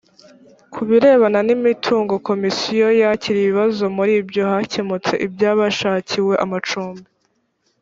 ku birebana n’imitungo komisiyo yakiriye ibibazo muri byo hakemutse iby’abashakiwe amacumbi